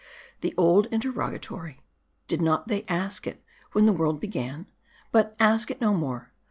" The old interrogatory ; did they not ask it when the world "began ? But ask it no more.